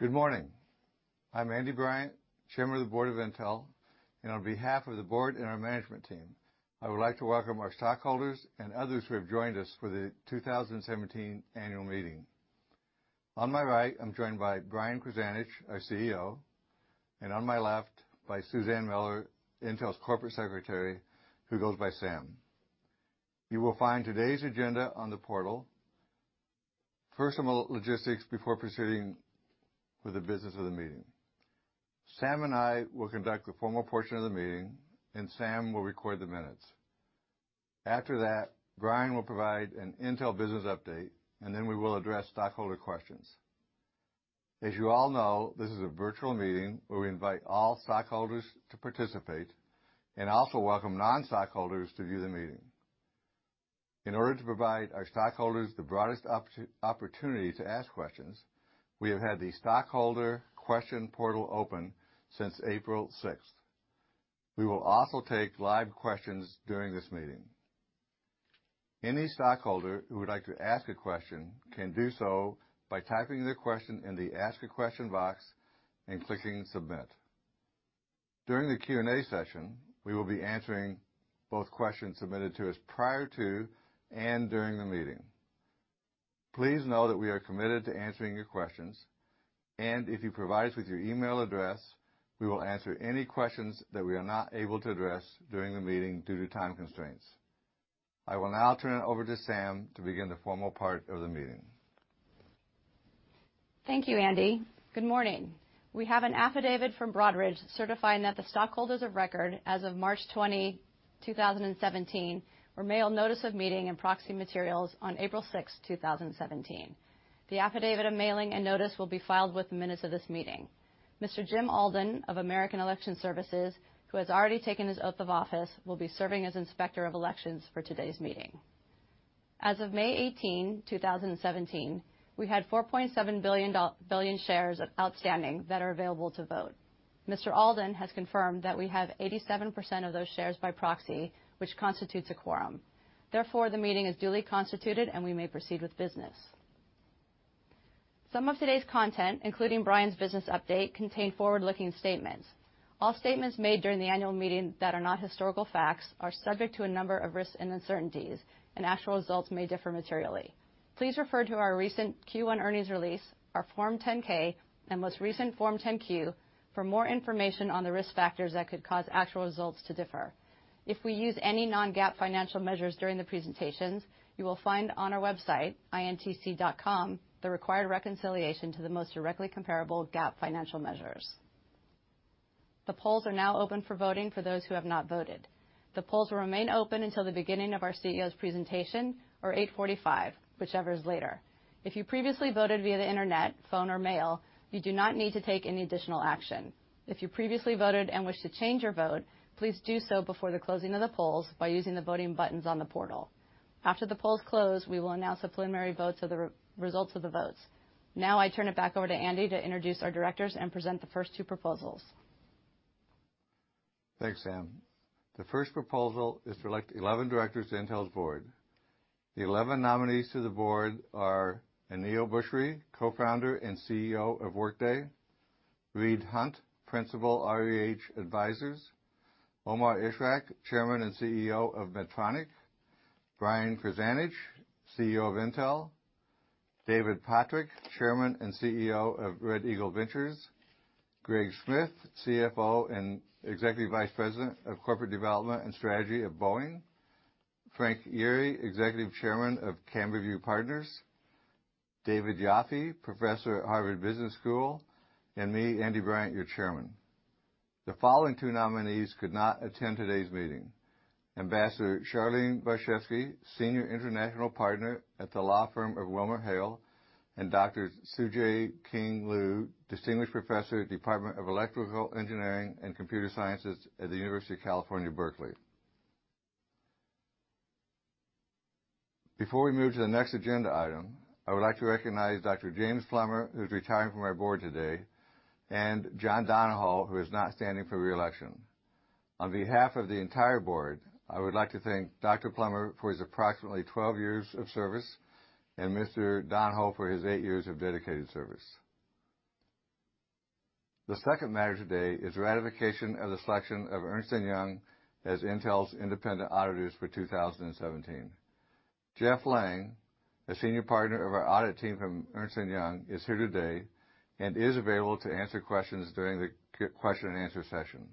Good morning. I'm Andy Bryant, Chairman of the Board of Intel, and on behalf of the board and our management team, I would like to welcome our stockholders and others who have joined us for the 2017 Annual Meeting. On my right, I'm joined by Brian Krzanich, our CEO, and on my left, by Suzan Miller, Intel's Corporate Secretary, who goes by Sam. You will find today's agenda on the portal. First, some logistics before proceeding with the business of the meeting. Sam and I will conduct the formal portion of the meeting, and Sam will record the minutes. After that, Brian will provide an Intel business update, and then we will address stockholder questions. As you all know, this is a virtual meeting where we invite all stockholders to participate, and also welcome non-stockholders to view the meeting. In order to provide our stockholders the broadest opportunity to ask questions, we have had the stockholder question portal open since April 6th. We will also take live questions during this meeting. Any stockholder who would like to ask a question can do so by typing their question in the ask a question box and clicking submit. During the Q&A session, we will be answering both questions submitted to us prior to and during the meeting. Please know that we are committed to answering your questions, and if you provide us with your email address, we will answer any questions that we are not able to address during the meeting due to time constraints. I will now turn it over to Sam to begin the formal part of the meeting. Thank you, Andy. Good morning. We have an affidavit from Broadridge certifying that the stockholders of record as of March 20, 2017, were mailed notice of meeting and proxy materials on April 6, 2017. The affidavit of mailing and notice will be filed with the minutes of this meeting. Mr. Jim Alden of American Election Services, who has already taken his oath of office, will be serving as inspector of elections for today's meeting. As of May 18, 2017, we had 4.7 billion shares outstanding that are available to vote. Mr. Alden has confirmed that we have 87% of those shares by proxy, which constitutes a quorum. Therefore, the meeting is duly constituted, and we may proceed with business. Some of today's content, including Brian's business update, contain forward-looking statements. All statements made during the annual meeting that are not historical facts are subject to a number of risks and uncertainties, and actual results may differ materially. Please refer to our recent Q1 earnings release, our Form 10-K, and most recent Form 10-Q for more information on the risk factors that could cause actual results to differ. If we use any non-GAAP financial measures during the presentations, you will find on our website, intc.com, the required reconciliation to the most directly comparable GAAP financial measures. The polls are now open for voting for those who have not voted. The polls will remain open until the beginning of our CEO's presentation or 8:45 A.M., whichever is later. If you previously voted via the internet, phone, or mail, you do not need to take any additional action. If you previously voted and wish to change your vote, please do so before the closing of the polls by using the voting buttons on the portal. After the polls close, we will announce the preliminary results of the votes. I turn it back over to Andy to introduce our directors and present the first two proposals. Thanks, Sam. The first proposal is to elect 11 directors to Intel's board. The 11 nominees to the board are Aneel Bhusri, Co-founder and CEO of Workday, Reed Hundt, Principal, REH Advisors, Omar Ishrak, Chairman and CEO of Medtronic, Brian Krzanich, CEO of Intel, David Pottruck, Chairman and CEO of Red Eagle Ventures, Greg Smith, CFO and Executive Vice President of Corporate Development and Strategy of Boeing, Frank Yeary, Executive Chairman of CamberView Partners, David Yoffie, Professor at Harvard Business School, and me, Andy Bryant, your Chairman. The following two nominees could not attend today's meeting. Ambassador Charlene Barshefsky, Senior International Partner at the law firm of WilmerHale, and Dr. Tsu-Jae King Liu, Distinguished Professor at Department of Electrical Engineering and Computer Sciences at the University of California, Berkeley. Before we move to the next agenda item, I would like to recognize Dr. James Plummer, who's retiring from our board today, and John Donahoe, who is not standing for re-election. On behalf of the entire board, I would like to thank Dr. Plummer for his approximately 12 years of service and Mr. Donahoe for his eight years of dedicated service. The second matter today is ratification of the selection of Ernst & Young as Intel's independent auditors for 2017. Jeff Lang, a Senior Partner of our audit team from Ernst & Young, is here today and is available to answer questions during the question-and-answer session.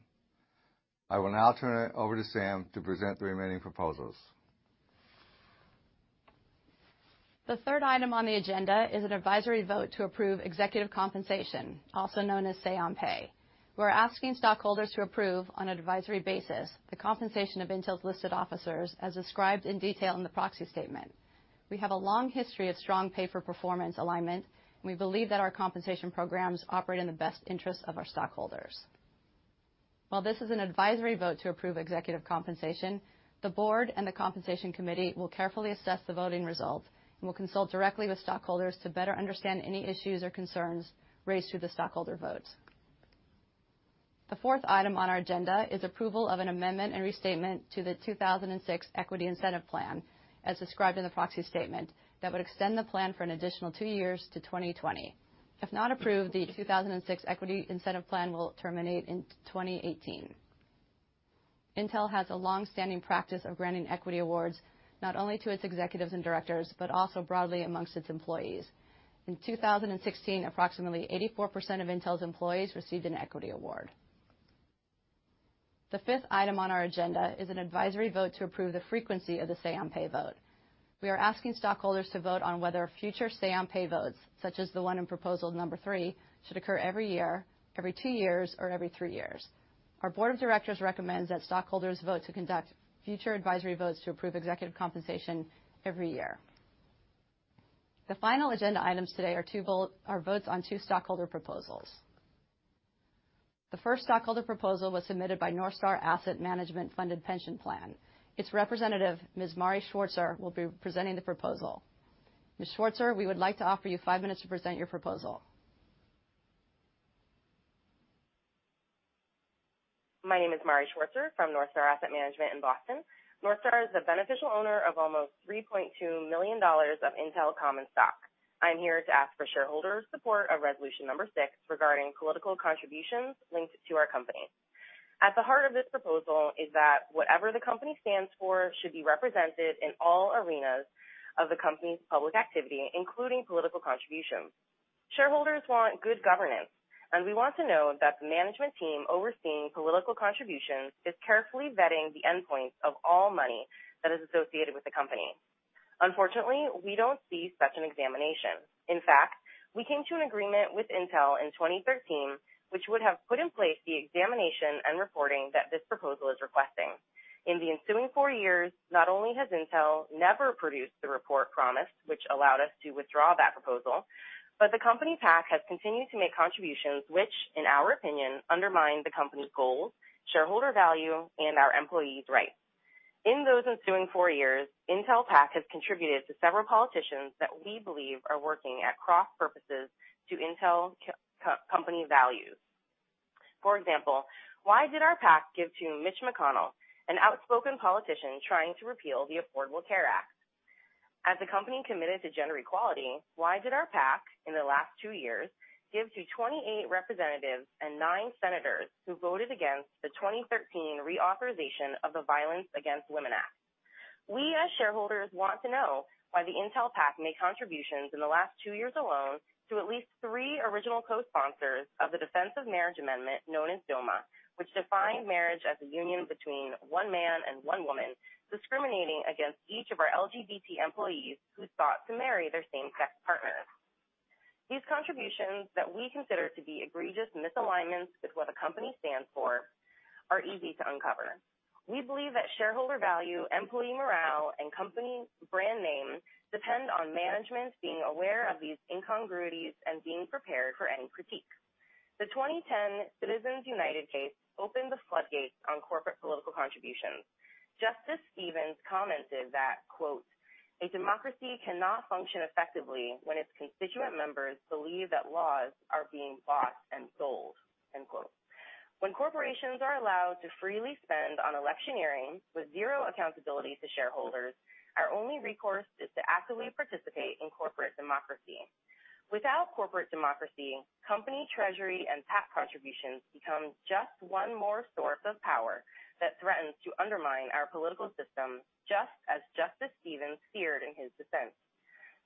I will now turn it over to Sam to present the remaining proposals. The third item on the agenda is an advisory vote to approve executive compensation, also known as say on pay. We're asking stockholders to approve, on an advisory basis, the compensation of Intel's listed officers as described in detail in the proxy statement. We have a long history of strong pay-for-performance alignment, and we believe that our compensation programs operate in the best interest of our stockholders. While this is an advisory vote to approve executive compensation, the board and the compensation committee will carefully assess the voting result and will consult directly with stockholders to better understand any issues or concerns raised through the stockholder votes. The fourth item on our agenda is approval of an amendment and restatement to the 2006 Equity Incentive Plan, as described in the proxy statement, that would extend the plan for an additional two years to 2020. If not approved, the 2006 Equity Incentive Plan will terminate in 2018. Intel has a long-standing practice of granting equity awards, not only to its executives and directors, but also broadly amongst its employees. In 2016, approximately 84% of Intel's employees received an equity award. The fifth item on our agenda is an advisory vote to approve the frequency of the say-on-pay vote. We are asking stockholders to vote on whether future say-on-pay votes, such as the one in proposal number three, should occur every year, every two years, or every three years. Our Board of Directors recommends that stockholders vote to conduct future advisory votes to approve executive compensation every year. The final agenda items today are votes on two stockholder proposals. The first stockholder proposal was submitted by NorthStar Asset Management Funded Pension Plan. Its representative, Ms. Mari Schwartzer, will be presenting the proposal. Ms. Schwartzer, we would like to offer you five minutes to present your proposal. My name is Mari Schwartzer from NorthStar Asset Management in Boston. NorthStar is the beneficial owner of almost $3.2 million of Intel common stock. I'm here to ask for shareholders' support of resolution number six regarding political contributions linked to our company. At the heart of this proposal is that whatever the company stands for should be represented in all arenas of the company's public activity, including political contributions. Shareholders want good governance, and we want to know that the management team overseeing political contributions is carefully vetting the endpoints of all money that is associated with the company. Unfortunately, we don't see such an examination. In fact, we came to an agreement with Intel in 2013, which would have put in place the examination and reporting that this proposal is requesting. In the ensuing four years, not only has Intel never produced the report promised, which allowed us to withdraw that proposal, but the company PAC has continued to make contributions, which, in our opinion, undermine the company's goals, shareholder value, and our employees' rights. In those ensuing four years, Intel PAC has contributed to several politicians that we believe are working at cross purposes to Intel company values. For example, why did our PAC give to Mitch McConnell, an outspoken politician trying to repeal the Affordable Care Act? As a company committed to gender equality, why did our PAC, in the last two years, give to 28 representatives and nine senators who voted against the 2013 reauthorization of the Violence Against Women Act? We, as shareholders, want to know why the Intel PAC made contributions in the last two years alone to at least three original co-sponsors of the Defense of Marriage Amendment, known as DOMA, which defined marriage as a union between one man and one woman, discriminating against each of our LGBT employees who sought to marry their same-sex partner. These contributions that we consider to be egregious misalignments with what the company stands for are easy to uncover. We believe that shareholder value, employee morale, and company brand name depend on management's being aware of these incongruities and being prepared for any critique. The 2010 Citizens United case opened the floodgates on corporate political contributions. Justice Stevens commented that, quote, "A democracy cannot function effectively when its constituent members believe that laws are being bought and sold." End quote. When corporations are allowed to freely spend on electioneering with zero accountability to shareholders, our only recourse is to actively participate in corporate democracy. Without corporate democracy, company treasury and PAC contributions become just one more source of power that threatens to undermine our political system, just as Justice Stevens feared in his dissent.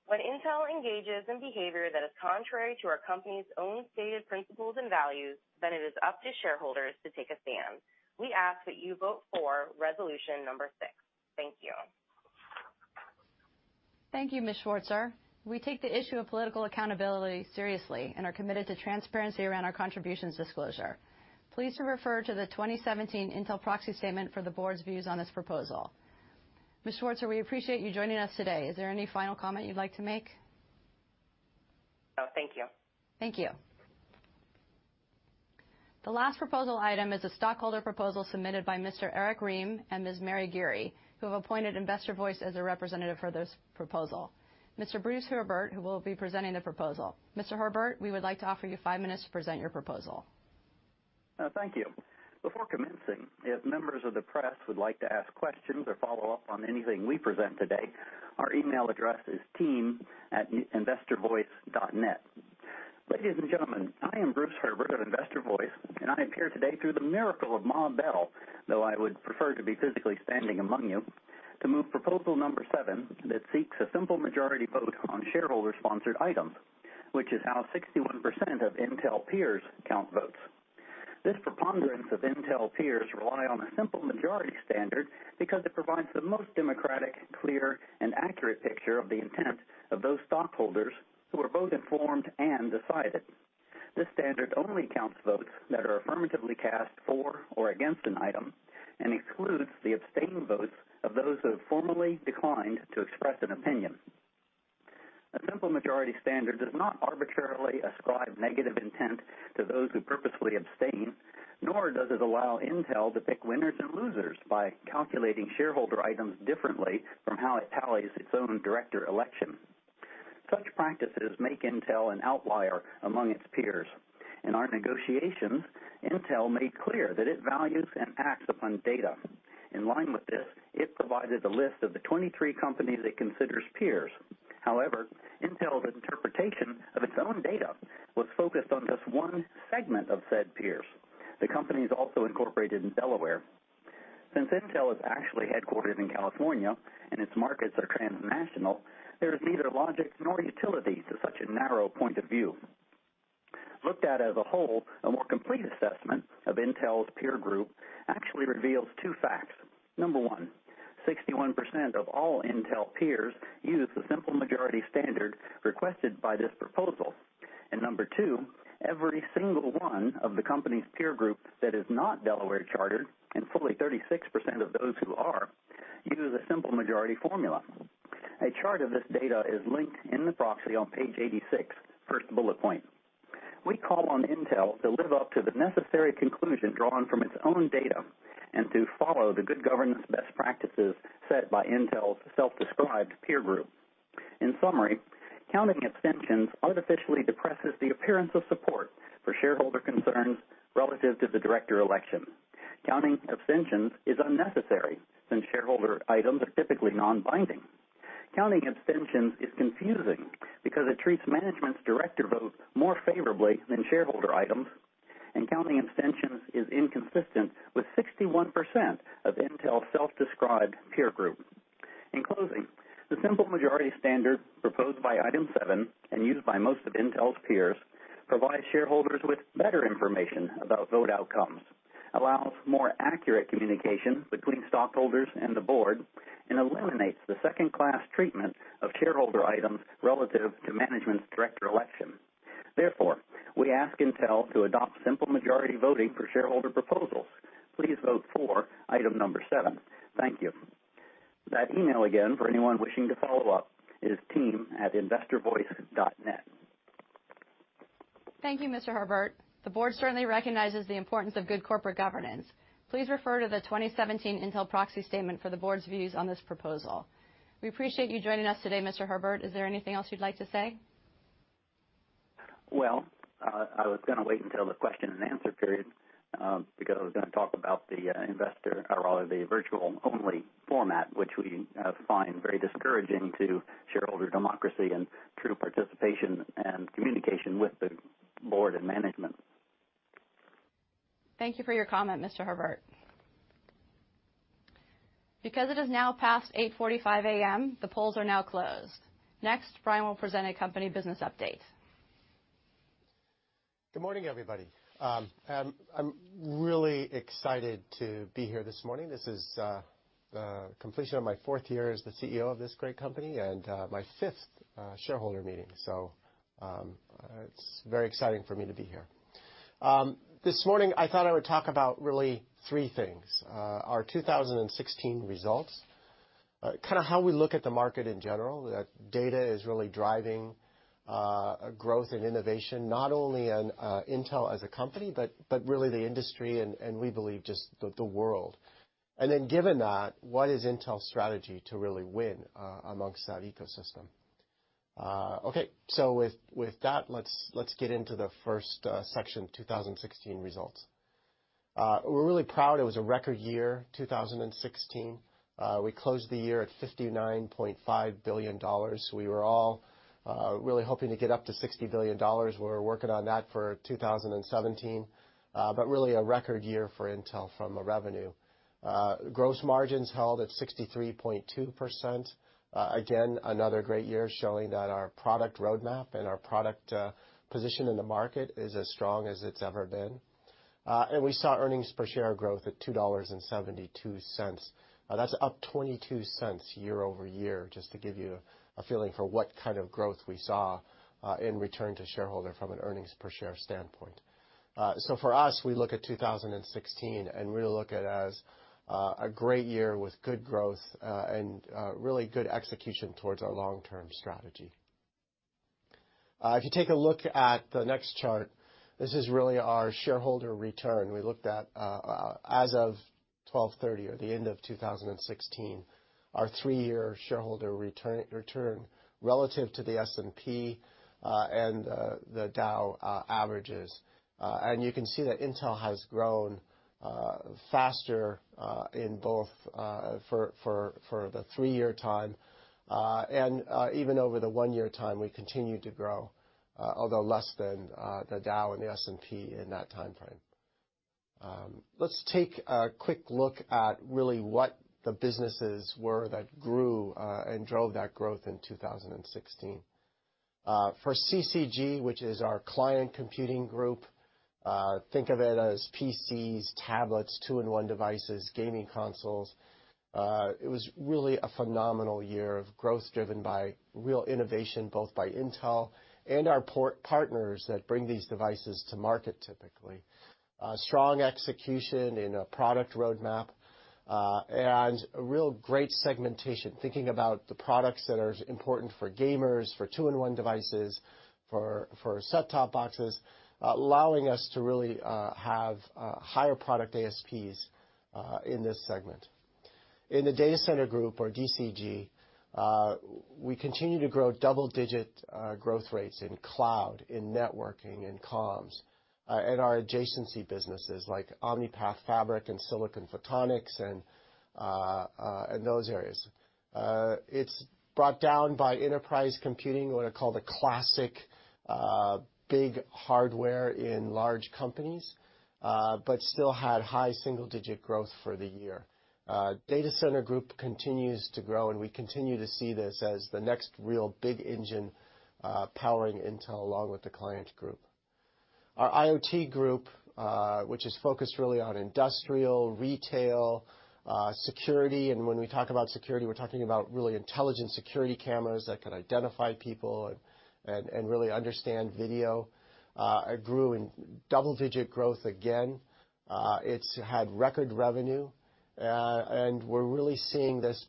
When Intel engages in behavior that is contrary to our company's own stated principles and values, then it is up to shareholders to take a stand. We ask that you vote for resolution number six. Thank you. Thank you, Ms. Schwartzer. We take the issue of political accountability seriously and are committed to transparency around our contributions disclosure. Please refer to the 2017 Intel proxy statement for the board's views on this proposal. Ms. Schwartzer, we appreciate you joining us today. Is there any final comment you'd like to make? No, thank you. Thank you. The last proposal item is a stockholder proposal submitted by Mr. Eric Rehm and Ms. Mary Geary, who have appointed Investor Voice as a representative for this proposal. Mr. Bruce Herbert, who will be presenting the proposal. Mr. Herbert, we would like to offer you five minutes to present your proposal. Thank you. Before commencing, if members of the press would like to ask questions or follow up on anything we present today, our email address is team@investorvoice.net. Ladies and gentlemen, I am Bruce Herbert of Investor Voice, and I appear today through the miracle of Ma Bell, though I would prefer to be physically standing among you, to move proposal number seven that seeks a simple majority vote on shareholder-sponsored items, which is how 61% of Intel peers count votes. This preponderance of Intel peers rely on a simple majority standard because it provides the most democratic, clear, and accurate picture of the intent of those stockholders who are both informed and decided. This standard only counts votes that are affirmatively cast for or against an item and excludes the abstained votes of those who have formally declined to express an opinion. A simple majority standard does not arbitrarily ascribe negative intent to those who purposely abstain, nor does it allow Intel to pick winners and losers by calculating shareholder items differently from how it tallies its own director election. Such practices make Intel an outlier among its peers. In our negotiations, Intel made clear that it values and acts upon data. In line with this, it provided a list of the 23 companies it considers peers. However, Intel's interpretation of its own data was focused on just one segment of said peers. The company is also incorporated in Delaware. Since Intel is actually headquartered in California and its markets are transnational, there is neither logic nor utility to such a narrow point of view. Looked at as a whole, a more complete assessment of Intel's peer group actually reveals two facts. Number one, 61% of all Intel peers use the simple majority standard requested by this proposal. Number two, every single one of the company's peer group that is not Delaware chartered, and fully 36% of those who are, use a simple majority formula. A chart of this data is linked in the proxy on page 86, first bullet point. We call on Intel to live up to the necessary conclusion drawn from its own data, and to follow the good governance best practices set by Intel's self-described peer group. In summary, counting abstentions artificially depresses the appearance of support for shareholder concerns relative to the director election. Counting abstentions is unnecessary, since shareholder items are typically non-binding. Counting abstentions is confusing, because it treats management's director vote more favorably than shareholder items, and counting abstentions is inconsistent with 61% of Intel's self-described peer group. In closing, the simple majority standard proposed by item seven and used by most of Intel's peers, provides shareholders with better information about vote outcomes, allows more accurate communication between stockholders and the board, and eliminates the second-class treatment of shareholder items relative to management's director election. Therefore, we ask Intel to adopt simple majority voting for shareholder proposals. Please vote for item number seven. Thank you. That email again, for anyone wishing to follow up, is team@investorvoice.net. Thank you, Mr. Herbert. The board certainly recognizes the importance of good corporate governance. Please refer to the 2017 Intel proxy statement for the board's views on this proposal. We appreciate you joining us today, Mr. Herbert. Is there anything else you'd like to say? Well, I was going to wait until the question and answer period, because I was going to talk about the investor, or rather the virtual-only format, which we find very discouraging to shareholder democracy and true participation and communication with the board and management. Thank you for your comment, Mr. Herbert. Because it is now past 8:45 A.M., the polls are now closed. Next, Brian will present a company business update. Good morning, everybody. I am really excited to be here this morning. This is the completion of my fourth year as the CEO of this great company and my fifth shareholder meeting. It is very exciting for me to be here. This morning, I thought I would talk about really three things. Our 2016 results, how we look at the market in general, that data is really driving growth and innovation, not only in Intel as a company, but really the industry, and we believe just the world. Given that, what is Intel's strategy to really win amongst that ecosystem? Okay. With that, let us get into the first section, 2016 results. We are really proud. It was a record year, 2016. We closed the year at $59.5 billion. We were all really hoping to get up to $60 billion. We are working on that for 2017. Really a record year for Intel from a revenue. Gross margins held at 63.2%. Again, another great year showing that our product roadmap and our product position in the market is as strong as it has ever been. We saw earnings per share growth at $2.72. That is up $0.22 year-over-year, just to give you a feeling for what kind of growth we saw in return to shareholder from an earnings per share standpoint. For us, we look at 2016, and really look at it as a great year with good growth and really good execution towards our long-term strategy. If you take a look at the next chart, this is really our shareholder return. We looked at, as of 12/30, or the end of 2016, our three-year shareholder return relative to the S&P and the Dow averages. You can see that Intel has grown faster for the three-year time. Even over the one-year time, we continued to grow, although less than the Dow and the S&P in that timeframe. Let us take a quick look at really what the businesses were that grew and drove that growth in 2016. For CCG, which is our Client Computing Group, think of it as PCs, tablets, two-in-one devices, gaming consoles. It was really a phenomenal year of growth driven by real innovation, both by Intel and our partners that bring these devices to market, typically. Strong execution in a product roadmap, and a real great segmentation, thinking about the products that are important for gamers, for two-in-one devices, for set-top boxes, allowing us to really have higher product ASPs in this segment. In the Data Center Group or DCG, we continue to grow double-digit growth rates in cloud, in networking, in comms, and our adjacency businesses like Omni-Path Fabric and Silicon Photonics and those areas. It is brought down by enterprise computing, what are called the classic big hardware in large companies, but still had high single-digit growth for the year. Data Center Group continues to grow, and we continue to see this as the next real big engine powering Intel along with the Client Group. Our IoT Group, which is focused really on industrial, retail, security, and when we talk about security, we are talking about really intelligent security cameras that can identify people and really understand video, grew in double-digit growth again. It has had record revenue, and we are really seeing this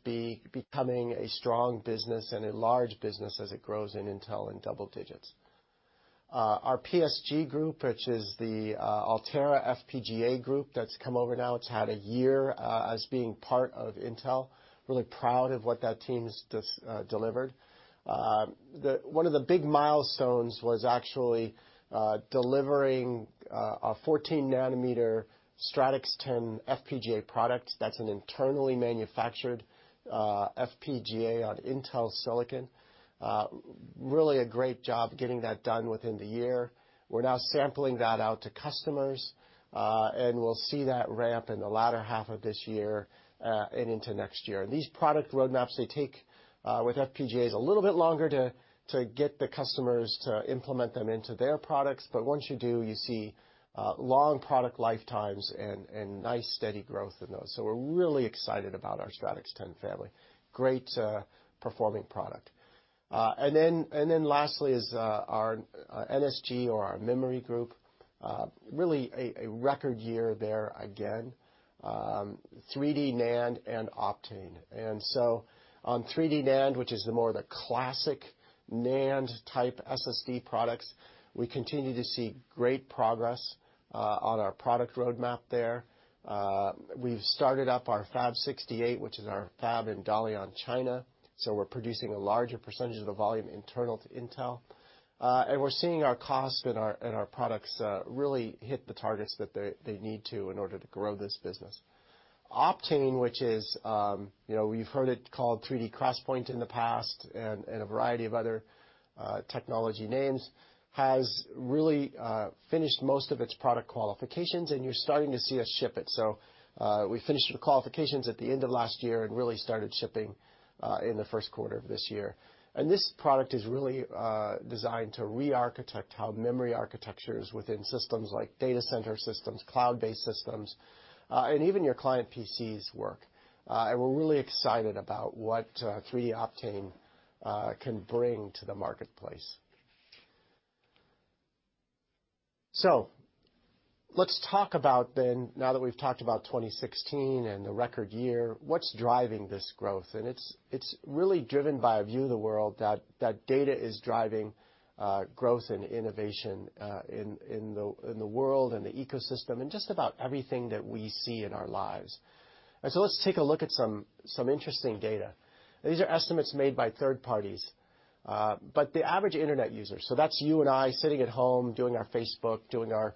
becoming a strong business and a large business as it grows in Intel in double digits. Our PSG Group, which is the Altera FPGA Group that's come over now, it's had a year as being part of Intel. Really proud of what that team's delivered. One of the big milestones was actually delivering a 14 nm Stratix 10 FPGA product. That's an internally manufactured FPGA on Intel silicon. Really a great job getting that done within the year. We're now sampling that out to customers, and we'll see that ramp in the latter half of this year, and into next year. These product roadmaps, they take, with FPGAs, a little bit longer to get the customers to implement them into their products, but once you do, you see long product lifetimes and nice steady growth in those. We're really excited about our Stratix 10 family. Great-performing product. Lastly is our NSG or our Memory Group. Really a record year there again. 3D NAND and Optane. On 3D NAND, which is more of the classic NAND-type SSD products, we continue to see great progress on our product roadmap there. We've started up our Fab 68, which is our fab in Dalian, China, so we're producing a larger percentage of the volume internal to Intel. We're seeing our costs and our products really hit the targets that they need to in order to grow this business. Optane, which we've heard it called 3D XPoint in the past and a variety of other technology names, has really finished most of its product qualifications, and you're starting to see us ship it. We finished the qualifications at the end of last year and really started shipping in the first quarter of this year. This product is really designed to re-architect how memory architectures within systems like data center systems, cloud-based systems, and even your client PCs work. We're really excited about what 3D Optane can bring to the marketplace. Let's talk about then now that we've talked about 2016 and the record year, what's driving this growth, and it's really driven by a view of the world that data is driving growth and innovation, in the world and the ecosystem, and just about everything that we see in our lives. Let's take a look at some interesting data. These are estimates made by third parties. The average Internet user, so that's you and I sitting at home doing our Facebook, doing our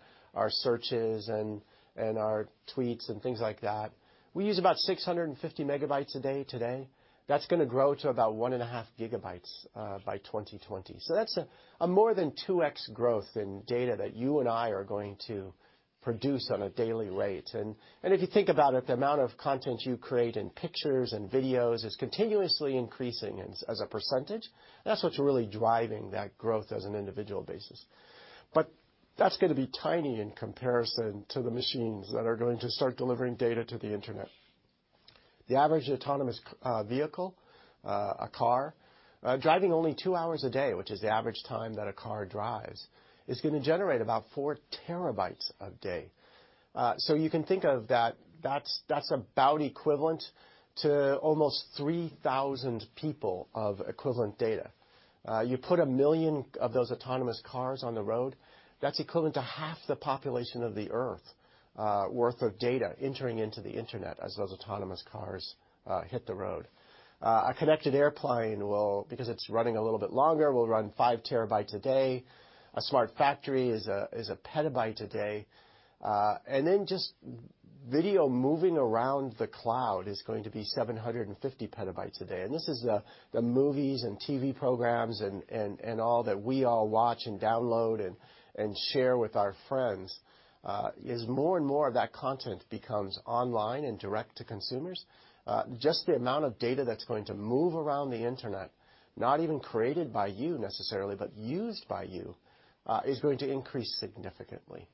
searches, and our tweets and things like that, we use about 650 MB a day today. That's going to grow to about 1.5 GB by 2020. That's a more than 2x growth in data that you and I are going to produce on a daily rate. If you think about it, the amount of content you create in pictures and videos is continuously increasing as a percentage. That's what's really driving that growth as an individual basis. That's going to be tiny in comparison to the machines that are going to start delivering data to the Internet. The average autonomous vehicle, a car, driving only two hours a day, which is the average time that a car drives, is going to generate about 4 TB a day. You can think of that's about equivalent to almost 3,000 people of equivalent data. You put a million of those autonomous cars on the road, that's equivalent to half the population of the Earth worth of data entering into the Internet as those autonomous cars hit the road. A connected airplane will, because it's running a little bit longer, will run 5 TB a day. A smart factory is 1 PB a day. Just video moving around the cloud is going to be 750 PB a day, and this is the movies and TV programs and all that we all watch and download and share with our friends. As more and more of that content becomes online and direct to consumers, just the amount of data that's going to move around the Internet, not even created by you necessarily, but used by you, is going to increase significantly.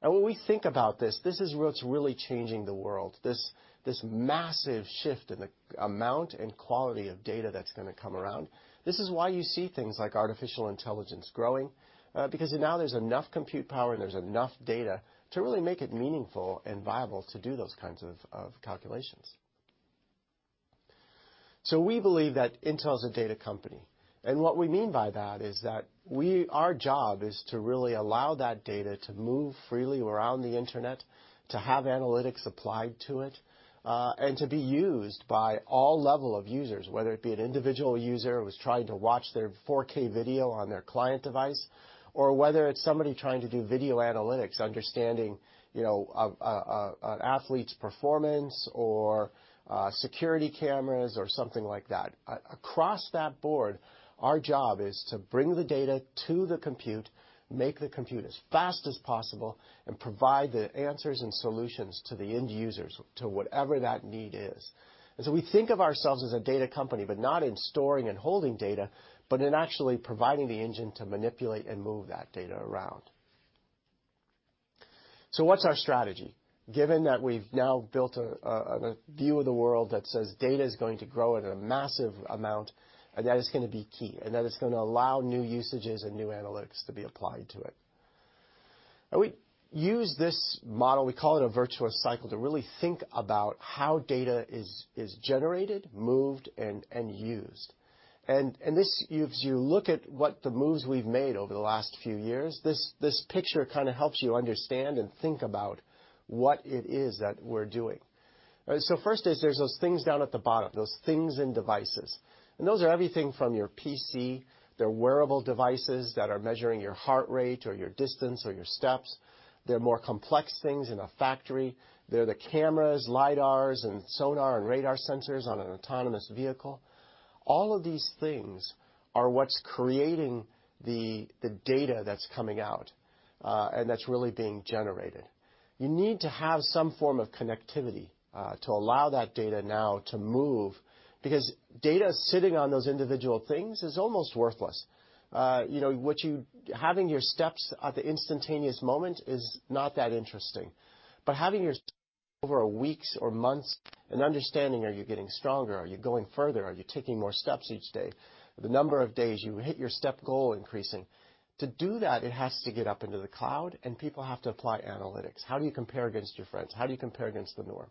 When we think about this, this is what's really changing the world, this massive shift in the amount and quality of data that's going to come around. This is why you see things like artificial intelligence growing. Now there's enough compute power, and there's enough data to really make it meaningful and viable to do those kinds of calculations. We believe that Intel is a data company. What we mean by that is that our job is to really allow that data to move freely around the Internet, to have analytics applied to it, and to be used by all level of users, whether it be an individual user who's trying to watch their 4K video on their client device, or whether it's somebody trying to do video analytics, understanding an athlete's performance or security cameras or something like that. Across that board, our job is to bring the data to the compute, make the compute as fast as possible, and provide the answers and solutions to the end users to whatever that need is. We think of ourselves as a data company, but not in storing and holding data, but in actually providing the engine to manipulate and move that data around. What's our strategy? Given that we've now built a view of the world that says data is going to grow at a massive amount, and that is going to be key, and that it's going to allow new usages and new analytics to be applied to it. We use this model, we call it a virtuous cycle, to really think about how data is generated, moved, and used. As you look at what the moves we've made over the last few years, this picture kind of helps you understand and think about what it is that we're doing. First is there's those things down at the bottom, those things and devices. Those are everything from your PC, they're wearable devices that are measuring your heart rate or your distance or your steps. They're more complex things in a factory. They're the cameras, LiDARs, and sonar and radar sensors on an autonomous vehicle. All of these things are what's creating the data that's coming out, and that's really being generated. You need to have some form of connectivity to allow that data now to move, because data sitting on those individual things is almost worthless. Having your steps at the instantaneous moment is not that interesting. Having your steps over weeks or months and understanding, are you getting stronger? Are you going further? Are you taking more steps each day? The number of days you hit your step goal increasing. To do that, it has to get up into the cloud, and people have to apply analytics. How do you compare against your friends? How do you compare against the norm?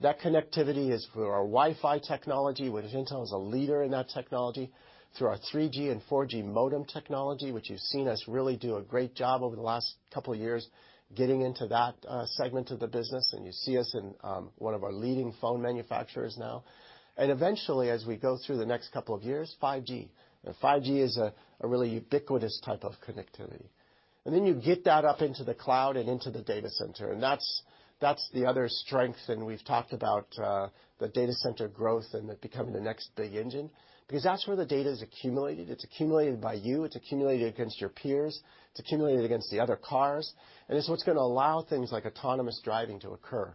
That connectivity is through our Wi-Fi technology, which Intel is a leader in that technology, through our 3G and 4G modem technology, which you've seen us really do a great job over the last couple of years getting into that segment of the business, and you see us in one of our leading phone manufacturers now. Eventually, as we go through the next couple of years, 5G. 5G is a really ubiquitous type of connectivity. You get that up into the cloud and into the data center, and that's the other strength, and we've talked about the data center growth and it becoming the next big engine, because that's where the data is accumulated. It's accumulated by you, it's accumulated against your peers, it's accumulated against the other cars. It's what's going to allow things like autonomous driving to occur.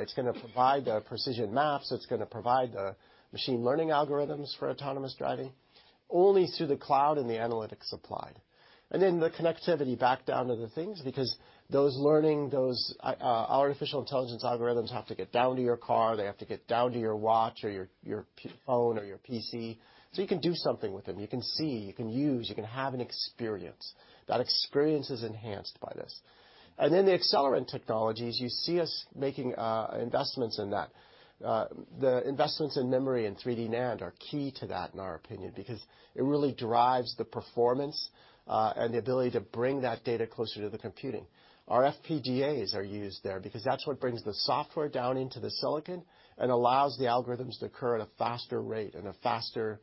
It's going to provide the precision maps. It's going to provide the machine learning algorithms for autonomous driving only through the cloud and the analytics applied. The connectivity back down to the things, because those learning, those artificial intelligence algorithms have to get down to your car, they have to get down to your watch or your phone or your PC, so you can do something with them. You can see, you can use, you can have an experience. That experience is enhanced by this. The accelerant technologies, you see us making investments in that. The investments in memory and 3D NAND are key to that, in our opinion, because it really drives the performance and the ability to bring that data closer to the computing. Our FPGAs are used there because that's what brings the software down into the silicon and allows the algorithms to occur at a faster rate and a faster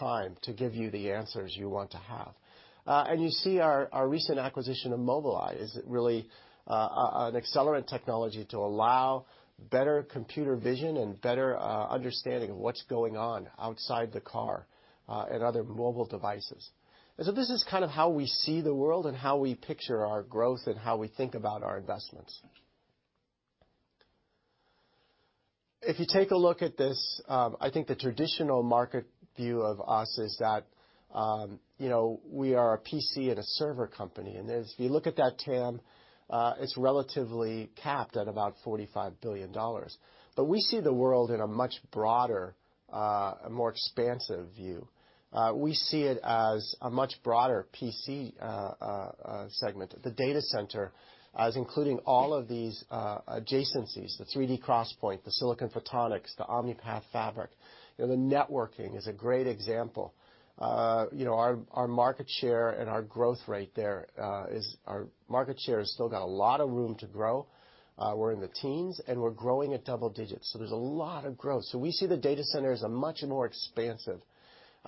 time to give you the answers you want to have. You see, our recent acquisition of Mobileye is really an accelerant technology to allow better computer vision and better understanding of what's going on outside the car, and other mobile devices. This is kind of how we see the world and how we picture our growth and how we think about our investments. If you take a look at this, I think the traditional market view of us is that we are a PC and a server company. If you look at that TAM, it's relatively capped at about $45 billion. We see the world in a much broader, a more expansive view. We see it as a much broader PC segment. The data center as including all of these adjacencies, the 3D XPoint, the Silicon Photonics, the Omni-Path Fabric, the networking is a great example. Our market share and our growth rate there is still got a lot of room to grow. We're in the teens, and we're growing at double digits, so there's a lot of growth. We see the data center as a much more expansive.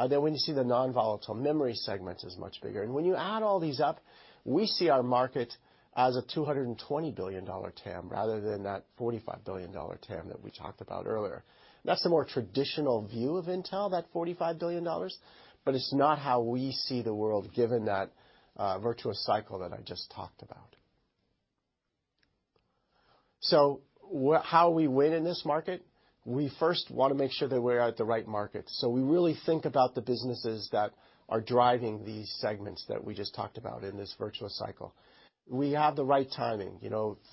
When you see the non-volatile memory segment is much bigger. When you add all these up, we see our market as a $220 billion TAM rather than that $45 billion TAM that we talked about earlier. That is the more traditional view of Intel, that $45 billion, but it is not how we see the world given that virtuous cycle that I just talked about. How we win in this market, we first want to make sure that we are at the right market. We really think about the businesses that are driving these segments that we just talked about in this virtuous cycle. We have the right timing.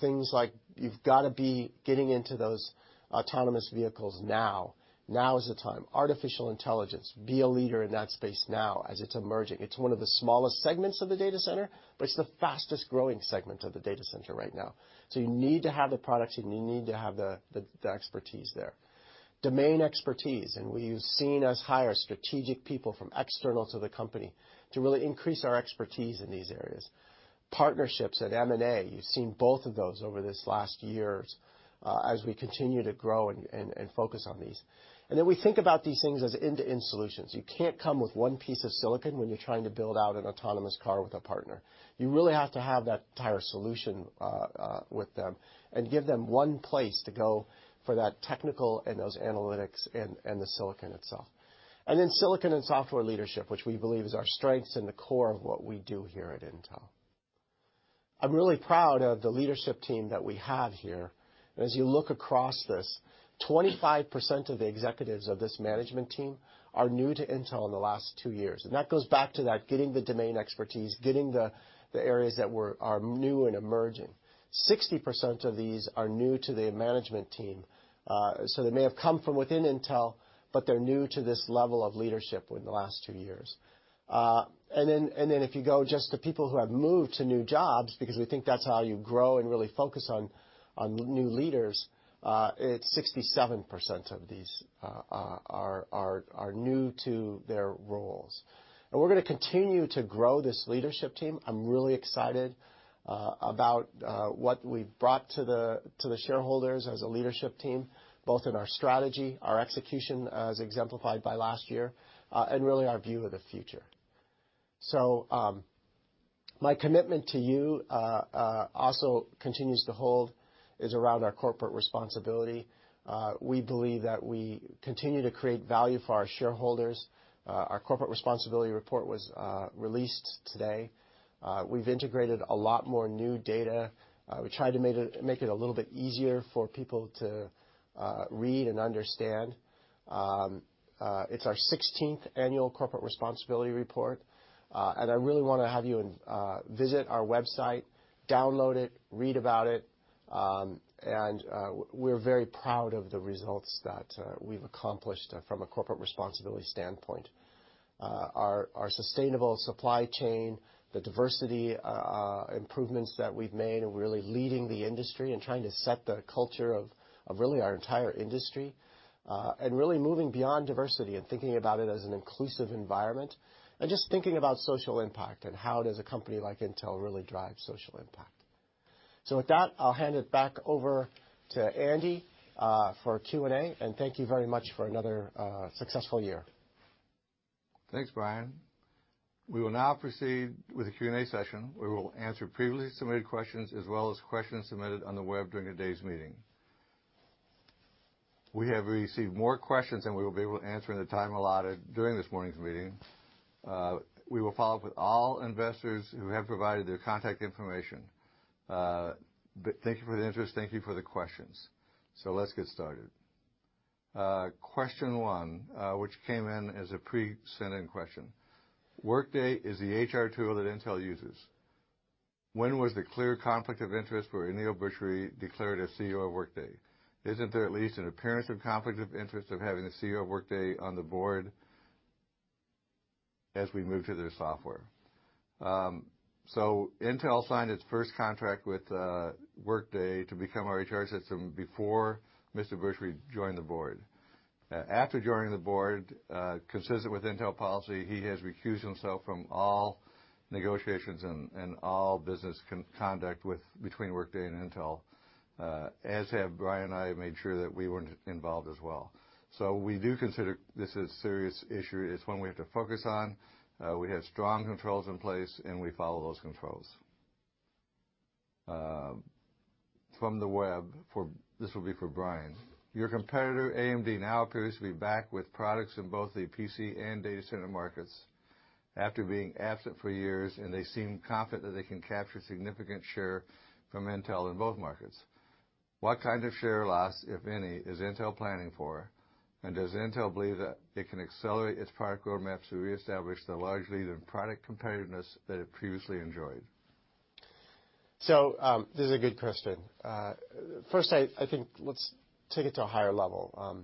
Things like you have to be getting into those autonomous vehicles now. Now is the time. Artificial intelligence, be a leader in that space now as it is emerging. It is one of the smallest segments of the data center, but it is the fastest-growing segment of the data center right now. You need to have the products, and you need to have the expertise there. Domain expertise, and you have seen us hire strategic people from external to the company to really increase our expertise in these areas. Partnerships and M&A, you have seen both of those over this last year as we continue to grow and focus on these. We think about these things as end-to-end solutions. You cannot come with one piece of silicon when you are trying to build out an autonomous car with a partner. You really have to have that entire solution with them and give them one place to go for that technical and those analytics and the silicon itself. Silicon and software leadership, which we believe is our strengths and the core of what we do here at Intel. I am really proud of the leadership team that we have here. As you look across this, 25% of the executives of this management team are new to Intel in the last two years. That goes back to that getting the domain expertise, getting the areas that are new and emerging. 60% of these are new to the management team. They may have come from within Intel, but they are new to this level of leadership in the last two years. If you go just to people who have moved to new jobs, because we think that is how you grow and really focus on new leaders, it is 67% of these are new to their roles. We are going to continue to grow this leadership team. I am really excited about what we have brought to the shareholders as a leadership team, both in our strategy, our execution, as exemplified by last year, and really our view of the future. My commitment to you also continues to hold, is around our corporate responsibility. We believe that we continue to create value for our shareholders. Our corporate responsibility report was released today. We have integrated a lot more new data. We tried to make it a little bit easier for people to read and understand. It is our 16th annual corporate responsibility report, and I really want to have you visit our website, download it, read about it. We are very proud of the results that we have accomplished from a corporate responsibility standpoint. Our sustainable supply chain, the diversity improvements that we have made, and really leading the industry and trying to set the culture of really our entire industry. Really moving beyond diversity and thinking about it as an inclusive environment. Just thinking about social impact and how does a company like Intel really drive social impact. With that, I'll hand it back over to Andy for Q&A, and thank you very much for another successful year. Thanks, Brian. We will now proceed with the Q&A session. We will answer previously submitted questions as well as questions submitted on the web during today's meeting. We have received more questions than we will be able to answer in the time allotted during this morning's meeting. We will follow up with all investors who have provided their contact information. Thank you for the interest. Thank you for the questions. Let's get started. Question one, which came in as a pre-submitted question. Workday is the HR tool that Intel uses. When was the clear conflict of interest where Aneel Bhusri declared as CEO of Workday? Isn't there at least an appearance of conflict of interest of having the CEO of Workday on the board as we move to their software? Intel signed its first contract with Workday to become our HR system before Mr. Bhusri joined the board. After joining the board, consistent with Intel policy, he has recused himself from all negotiations and all business conduct between Workday and Intel, as have Brian and I have made sure that we weren't involved as well. We do consider this a serious issue. It's one we have to focus on. We have strong controls in place, and we follow those controls. From the web, this will be for Brian. Your competitor, AMD, now appears to be back with products in both the PC and data center markets after being absent for years, and they seem confident that they can capture significant share from Intel in both markets. What kind of share loss, if any, is Intel planning for, and does Intel believe that it can accelerate its product road maps to reestablish the large lead in product competitiveness that it previously enjoyed? This is a good question. First, I think let's take it to a higher level.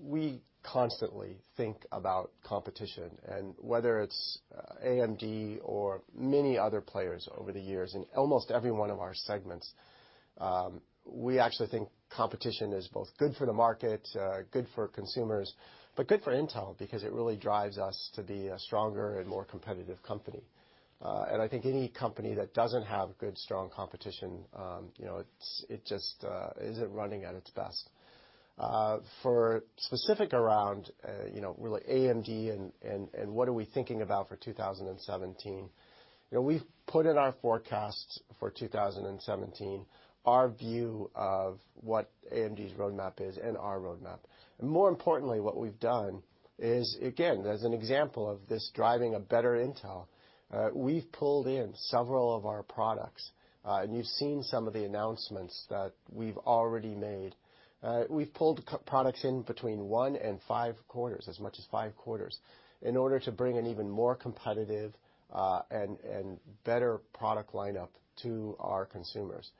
We constantly think about competition and whether it's AMD or many other players over the years in almost every one of our segments. We actually think competition is both good for the market, good for consumers, but good for Intel because it really drives us to be a stronger and more competitive company. I think any company that doesn't have good, strong competition, it just isn't running at its best. Specifically around AMD and what are we thinking about for 2017, we've put in our forecasts for 2017 our view of what AMD's roadmap is and our roadmap. More importantly, what we've done is, again, as an example of this driving a better Intel, we've pulled in several of our products. You've seen some of the announcements that we've already made. We've pulled products in between one and five quarters, as much as five quarters, in order to bring an even more competitive and better product lineup to our consumers.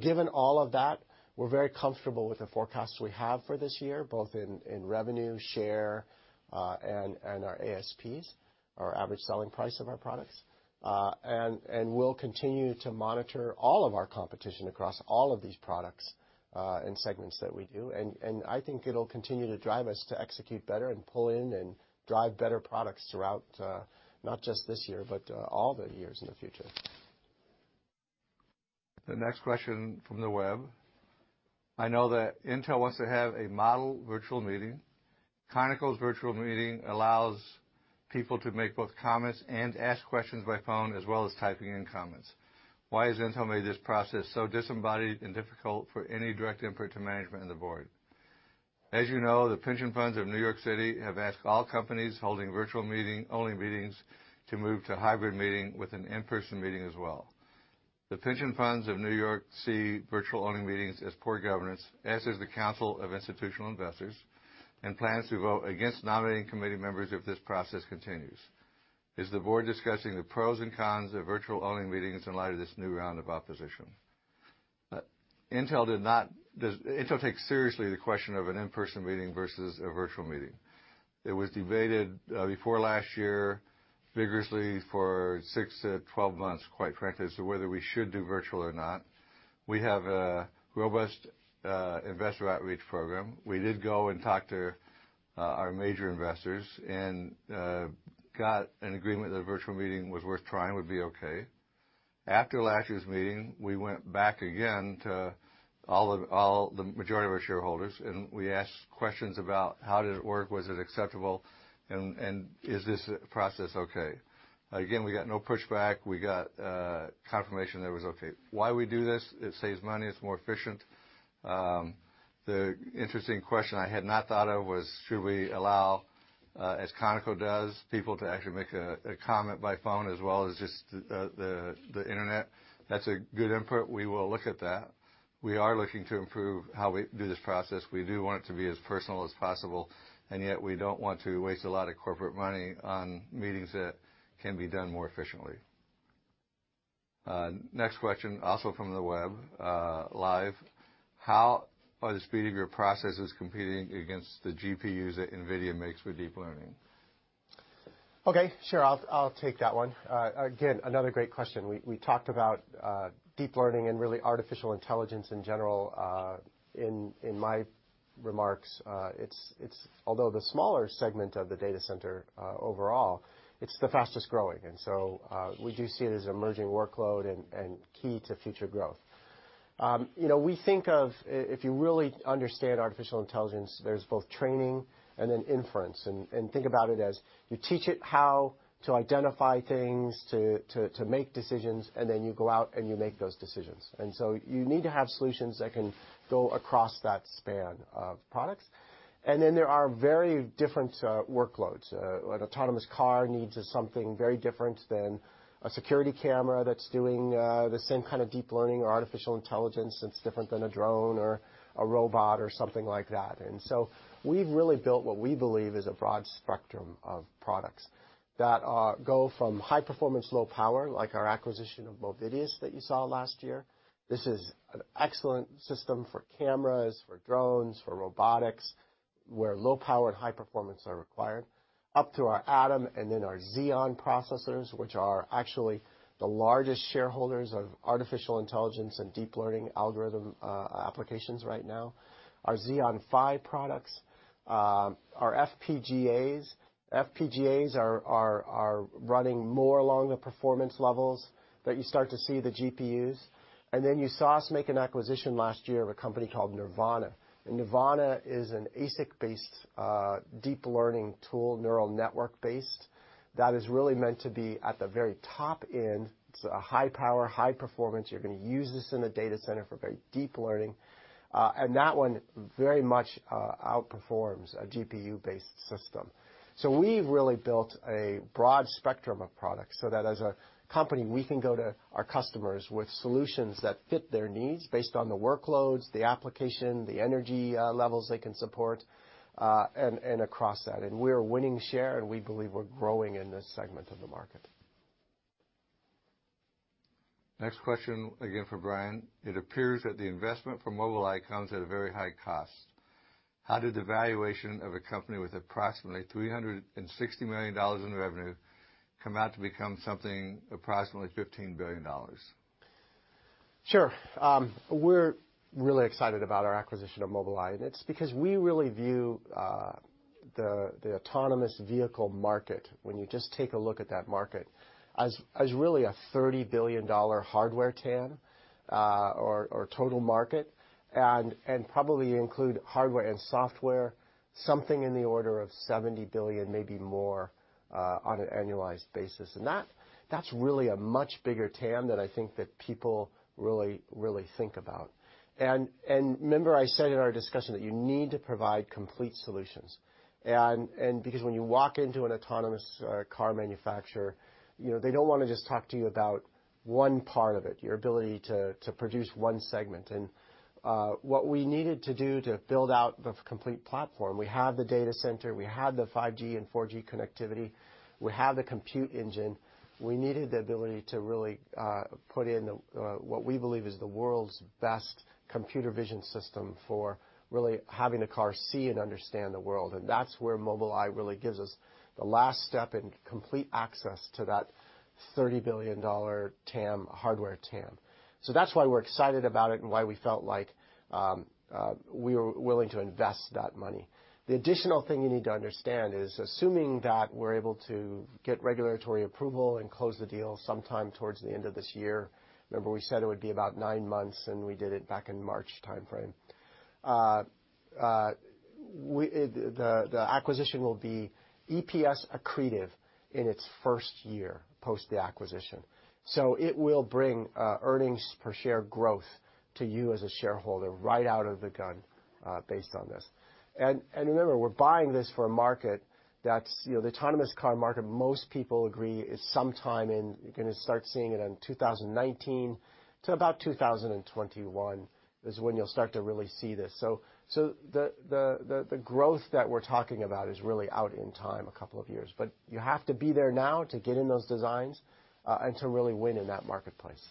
Given all of that, we're very comfortable with the forecasts we have for this year, both in revenue, share, and our ASPs, our average selling price of our products. We'll continue to monitor all of our competition across all of these products and segments that we do. I think it'll continue to drive us to execute better and pull in and drive better products throughout, not just this year, but all the years in the future. The next question from the web, I know that Intel wants to have a model virtual meeting. Conoco's virtual meeting allows people to make both comments and ask questions by phone as well as typing in comments. Why has Intel made this process so disembodied and difficult for any direct input to management and the board? As you know, the pension funds of New York City have asked all companies holding virtual-only meetings to move to hybrid meeting with an in-person meeting as well. The pension funds of New York see virtual-only meetings as poor governance, as is the Council of Institutional Investors, and plans to vote against nominating committee members if this process continues. Is the board discussing the pros and cons of virtual-only meetings in light of this new round of opposition? Intel takes seriously the question of an in-person meeting versus a virtual meeting. It was debated before last year vigorously for 6-12 months, quite frankly, as to whether we should do virtual or not. We have a robust investor outreach program. We did go and talk to our major investors and got an agreement that a virtual meeting was worth trying, would be okay. After last year's meeting, we went back again to the majority of our shareholders, and we asked questions about how did it work, was it acceptable, and is this process okay. Again, we got no pushback. We got confirmation that it was okay. Why we do this, it saves money. It's more efficient. The interesting question I had not thought of was should we allow, as Conoco does, people to actually make a comment by phone as well as just the Internet? That's a good input. We will look at that. We are looking to improve how we do this process. We do want it to be as personal as possible, yet we don't want to waste a lot of corporate money on meetings that can be done more efficiently. Next question, also from the web, live. How are the speed of your processes competing against the GPUs that NVIDIA makes for deep learning? Okay. Sure. I'll take that one. Again, another great question. We talked about deep learning and really artificial intelligence in general in my remarks. Although the smaller segment of the data center overall, it's the fastest-growing, so we do see it as emerging workload and key to future growth. We think of, if you really understand artificial intelligence, there's both training and then inference. Think about it as you teach it how to identify things, to make decisions, then you go out, and you make those decisions. You need to have solutions that can go across that span of products. There are very different workloads. An autonomous car needs something very different than a security camera that's doing the same kind of deep learning or artificial intelligence that's different than a drone or a robot or something like that. We've really built what we believe is a broad spectrum of products that go from high performance, low power, like our acquisition of Movidius that you saw last year. This is an excellent system for cameras, for drones, for robotics, where low power and high performance are required, up to our Atom and then our Xeon processors, which are actually the largest shareholders of artificial intelligence and deep learning algorithm applications right now. Our Xeon Phi products, our FPGAs. FPGAs are running more along the performance levels that you start to see the GPUs. You saw us make an acquisition last year of a company called Nervana. Nervana is an ASIC-based deep learning tool, neural network-based, that is really meant to be at the very top end. It's a high power, high performance. You're going to use this in a data center for very deep learning. That one very much outperforms a GPU-based system. We've really built a broad spectrum of products so that as a company, we can go to our customers with solutions that fit their needs based on the workloads, the application, the energy levels they can support, and across that. We're winning share, and we believe we're growing in this segment of the market. Next question, again for Brian. It appears that the investment from Mobileye comes at a very high cost. How did the valuation of a company with approximately $360 million in revenue come out to become something approximately $15 billion? Sure. We're really excited about our acquisition of Mobileye, and it's because we really view the autonomous vehicle market, when you just take a look at that market, as really a $30 billion hardware TAM, or total market, and probably include hardware and software, something in the order of $70 billion, maybe more, on an annualized basis. That's really a much bigger TAM than I think that people really think about. Remember I said in our discussion that you need to provide complete solutions. Because when you walk into an autonomous car manufacturer, they don't want to just talk to you about one part of it, your ability to produce one segment. What we needed to do to build out the complete platform, we have the data center, we have the 5G and 4G connectivity, we have the compute engine. We needed the ability to really put in what we believe is the world's best computer vision system for really having a car see and understand the world. That's where Mobileye really gives us the last step and complete access to that $30 billion TAM, hardware TAM. That's why we're excited about it and why we felt like we were willing to invest that money. The additional thing you need to understand is, assuming that we're able to get regulatory approval and close the deal sometime towards the end of this year, remember we said it would be about nine months, and we did it back in March timeframe. The acquisition will be EPS accretive in its first year post the acquisition. It will bring earnings per share growth to you as a shareholder right out of the gun based on this. Remember, we're buying this for a market that's the autonomous car market, most people agree, is sometime in, you're going to start seeing it in 2019 to about 2021 is when you'll start to really see this. The growth that we're talking about is really out in time, a couple of years. You have to be there now to get in those designs, and to really win in that marketplace.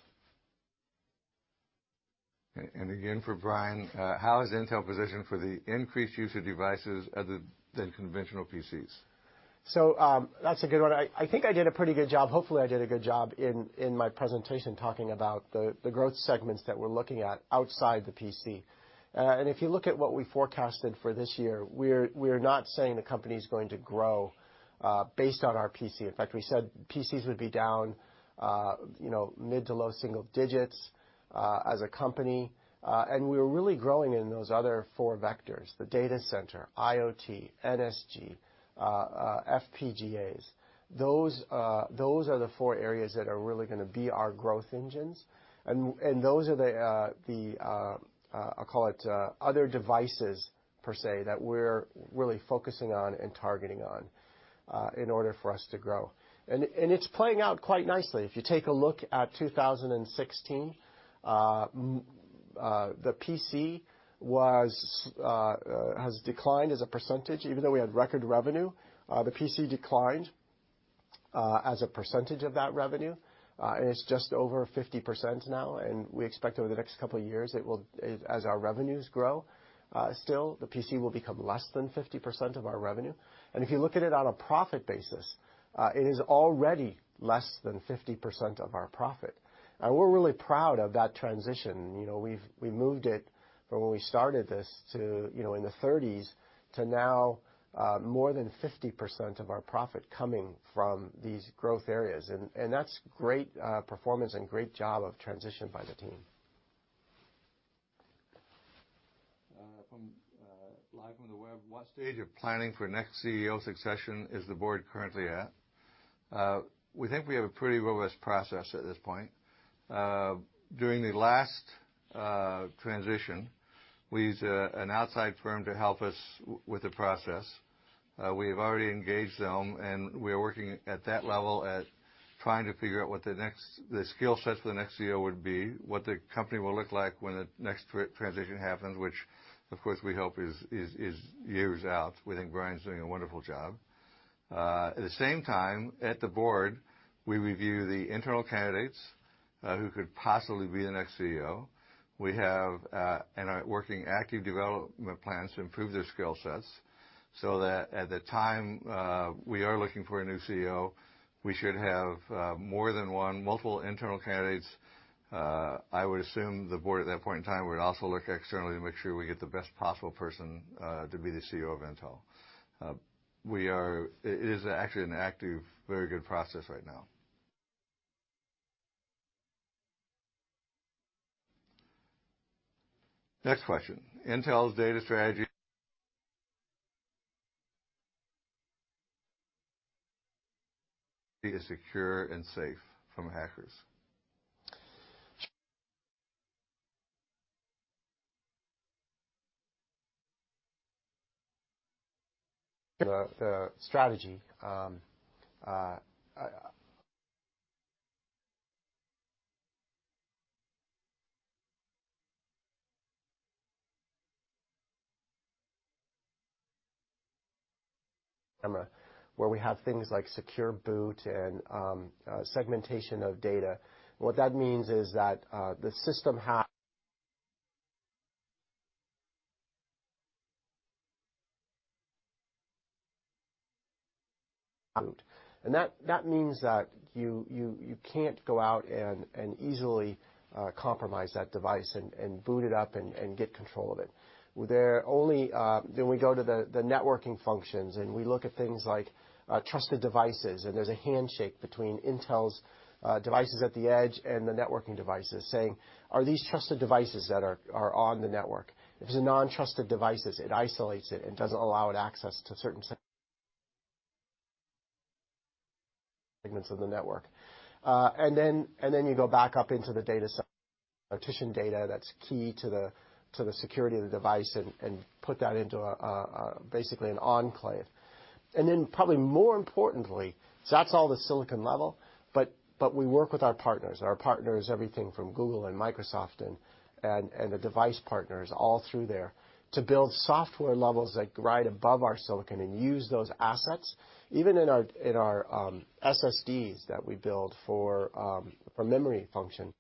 For Brian, how is Intel positioned for the increased use of devices other than conventional PCs? That's a good one. I think I did a pretty good job. Hopefully, I did a good job in my presentation talking about the growth segments that we're looking at outside the PC. If you look at what we forecasted for this year, we're not saying the company's going to grow based on our PC. In fact, we said PCs would be down mid to low single digits as a company. We're really growing in those other four vectors, the Data Center, IoT, NSG, FPGAs. Those are the four areas that are really going to be our growth engines, and those are the, I'll call it, other devices per se, that we're really focusing on and targeting on in order for us to grow. It's playing out quite nicely. If you take a look at 2016, the PC has declined as a percentage. Even though we had record revenue, the PC declined as a percentage of that revenue. It's just over 50% now, and we expect over the next couple of years, as our revenues grow still, the PC will become less than 50% of our revenue. If you look at it on a profit basis, it is already less than 50% of our profit. We're really proud of that transition. We've moved it from when we started this to in the 30s to now more than 50% of our profit coming from these growth areas. That's great performance and great job of transition by the team. From live from the web, what stage of planning for next CEO succession is the board currently at? We think we have a pretty robust process at this point. During the last transition, we used an outside firm to help us with the process. We've already engaged them, and we are working at that level at trying to figure out what the skill sets for the next CEO would be, what the company will look like when the next transition happens, which of course we hope is years out. We think Brian's doing a wonderful job. At the same time, at the board, we review the internal candidates who could possibly be the next CEO. We have and are working active development plans to improve their skill sets so that at the time we are looking for a new CEO, we should have more than one, multiple internal candidates. I would assume the board at that point in time would also look externally to make sure we get the best possible person to be the CEO of Intel. It is actually an active, very good process right now. Next question. Intel's data strategy is secure and safe from hackers? The strategy where we have things like Secure Boot and segmentation of data. What that means is that the system, and that means that you can't go out and easily compromise that device and boot it up and get control of it. We go to the networking functions, and we look at things like trusted devices, and there's a handshake between Intel's devices at the edge and the networking devices saying, "Are these trusted devices that are on the network?" If it's a non-trusted device, it isolates it and doesn't allow it access to certain segments of the network. You go back up into the data that's key to the security of the device and put that into basically an enclave. Probably more importantly, so that's all the silicon level, but we work with our partners. Our partners, everything from Google and Microsoft and the device partners all through there to build software levels that ride above our silicon and use those assets, even in our SSDs that we build for memory function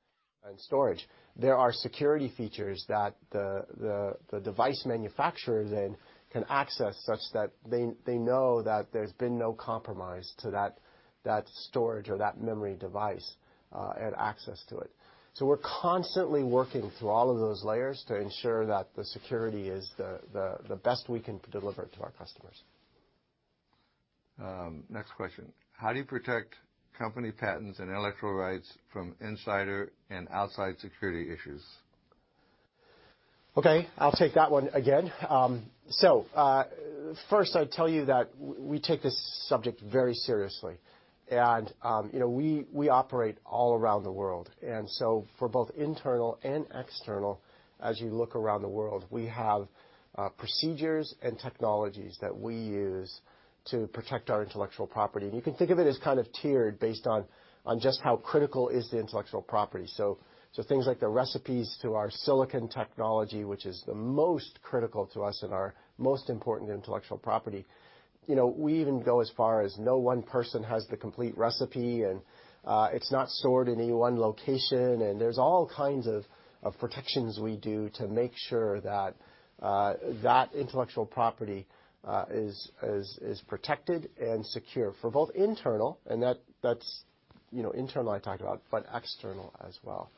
and storage. There are security features that the device manufacturers then can access such that they know that there's been no compromise to that storage or that memory device, and access to it. We're constantly working through all of those layers to ensure that the security is the best we can deliver to our customers. Next question. How do you protect company patents and intellectual rights from insider and outside security issues? I'll take that one again. First, I'd tell you that we take this subject very seriously. We operate all around the world, for both internal and external, as you look around the world, we have procedures and technologies that we use to protect our intellectual property. You can think of it as kind of tiered based on just how critical is the intellectual property. Things like the recipes to our silicon technology, which is the most critical to us and our most important intellectual property. We even go as far as no one person has the complete recipe, and it's not stored in any one location, and there's all kinds of protections we do to make sure that intellectual property is protected and secure for both internal, and that's internal I talked about, but external as well.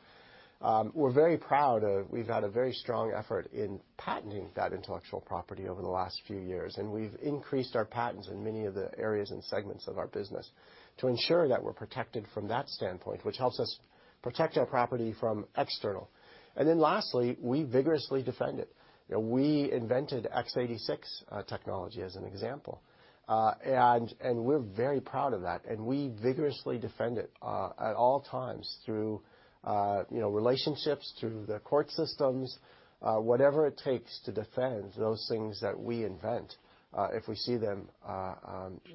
We're very proud of, we've had a very strong effort in patenting that intellectual property over the last few years, and we've increased our patents in many of the areas and segments of our business to ensure that we're protected from that standpoint, which helps us protect our property from external. Lastly, we vigorously defend it. We invented x86 technology, as an example. We're very proud of that, and we vigorously defend it at all times through relationships, through the court systems, whatever it takes to defend those things that we invent, if we see them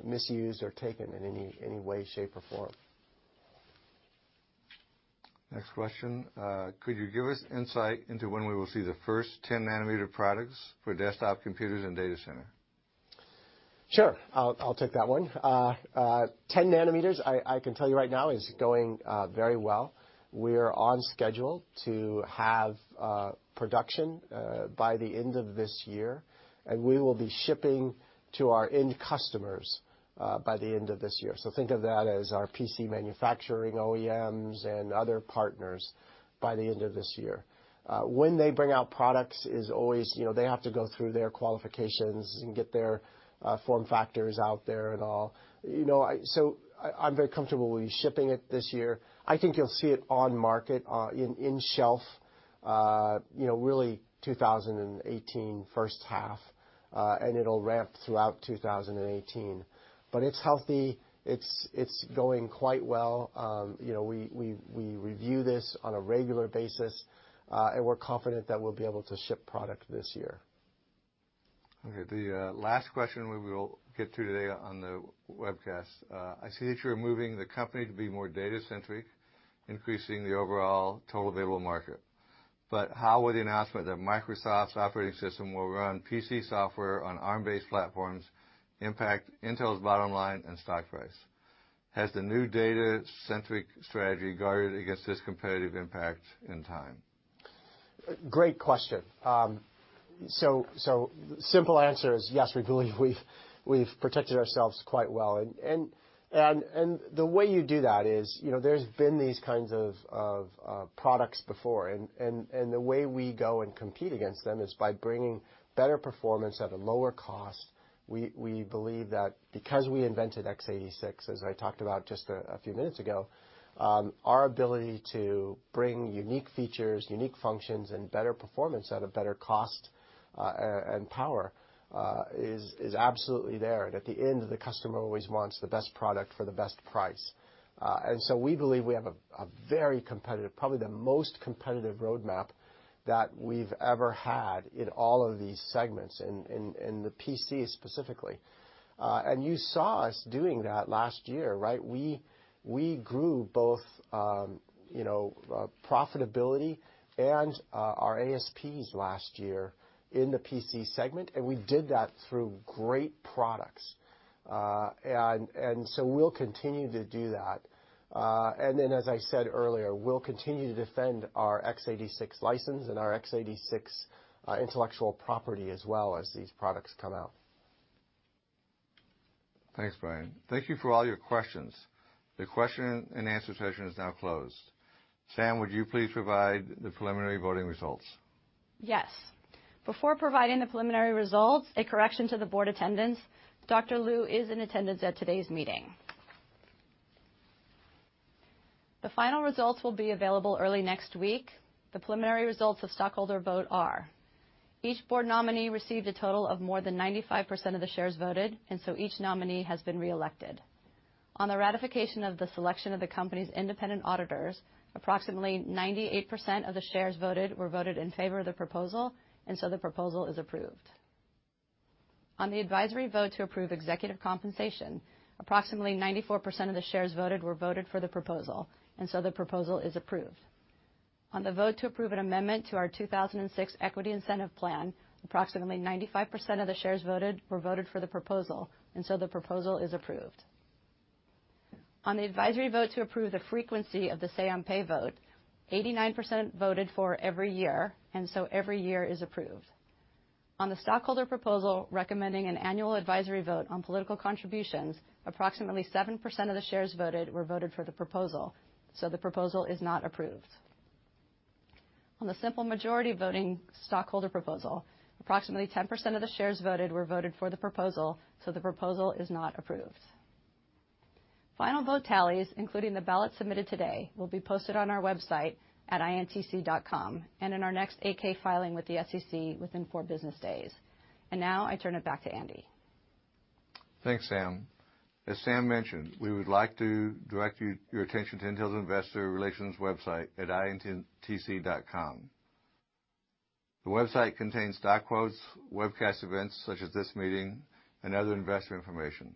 misused or taken in any way, shape, or form. Next question. Could you give us insight into when we will see the first 10 nm products for desktop computers and data center? Sure. I'll take that one. 10 nm, I can tell you right now, is going very well. We're on schedule to have production by the end of this year, and we will be shipping to our end customers by the end of this year. Think of that as our PC manufacturing OEMs and other partners, by the end of this year. When they bring out products is always, they have to go through their qualifications and get their form factors out there and all. I'm very comfortable with shipping it this year. I think you'll see it on market, in shelf, really 2018, first half, and it'll ramp throughout 2018. It's healthy. It's going quite well. We review this on a regular basis, and we're confident that we'll be able to ship product this year. Okay. The last question we will get to today on the webcast. I see that you're moving the company to be more data-centric, increasing the overall total available market. How will the announcement that Microsoft's operating system will run PC software on Arm-based platforms impact Intel's bottom line and stock price? Has the new data-centric strategy guarded against this competitive impact and time? Great question. Simple answer is yes, we believe we've protected ourselves quite well. The way you do that is, there's been these kinds of products before, and the way we go and compete against them is by bringing better performance at a lower cost. We believe that because we invented x86, as I talked about just a few minutes ago, our ability to bring unique features, unique functions, and better performance at a better cost and power is absolutely there. At the end, the customer always wants the best product for the best price. We believe we have a very competitive, probably the most competitive roadmap that we've ever had in all of these segments, in the PC specifically. You saw us doing that last year, right? We grew both profitability and our ASPs last year in the PC segment, and we did that through great products. We'll continue to do that. As I said earlier, we'll continue to defend our x86 license, and our x86 intellectual property as well as these products come out. Thanks, Brian. Thank you for all your questions. The question and answer session is now closed. Sam, would you please provide the preliminary voting results? Yes. Before providing the preliminary results, a correction to the board attendance. Dr. Liu is in attendance at today's meeting. The final results will be available early next week. The preliminary results of stockholder vote are, each board nominee received a total of more than 95% of the shares voted, and so each nominee has been reelected. On the ratification of the selection of the company's independent auditors, approximately 98% of the shares voted were voted in favor of the proposal, and so the proposal is approved. On the advisory vote to approve executive compensation, approximately 94% of the shares voted were voted for the proposal, and so the proposal is approved. On the vote to approve an amendment to our 2006 Equity Incentive Plan, approximately 95% of the shares voted were voted for the proposal, and so the proposal is approved. On the advisory vote to approve the frequency of the say-on-pay vote, 89% voted for every year, and so every year is approved. On the stockholder proposal recommending an annual advisory vote on political contributions, approximately 7% of the shares voted were voted for the proposal, so the proposal is not approved. On the simple majority voting stockholder proposal, approximately 10% of the shares voted were voted for the proposal, so the proposal is not approved. Final vote tallies, including the ballots submitted today, will be posted on our website at intc.com and in our next 8-K filing with the SEC within four business days. Now I turn it back to Andy. Thanks, Sam. As Sam mentioned, we would like to direct your attention to Intel's investor relations website at intc.com. The website contains stock quotes, webcast events such as this meeting, and other investor information.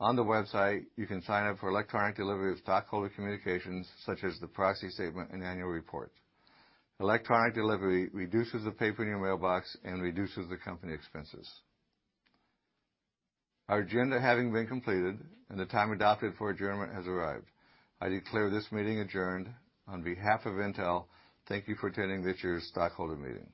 On the website, you can sign up for electronic delivery of stockholder communications such as the proxy statement and annual report. Electronic delivery reduces the paper in your mailbox and reduces the company expenses. Our agenda having been completed, and the time adopted for adjournment has arrived, I declare this meeting adjourned. On behalf of Intel, thank you for attending this year's stockholder meeting.